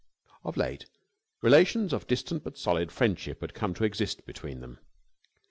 Of late, relations of distant but solid friendship had come to exist between them.